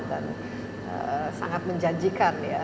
dan sangat menjanjikan ya